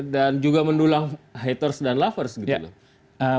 dan juga mendulang haters dan lovers gitu loh